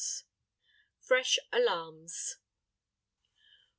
FRESH ALARMS.